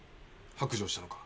白状したのか？